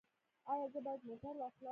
ایا زه باید موټر واخلم؟